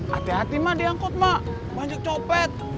oh hati hati mak di angkot mak banyak copet